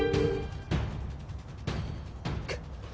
くっ。